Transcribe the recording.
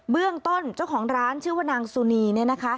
เรื่องต้นเจ้าของร้านชื่อว่านางสุนีเนี่ยนะคะ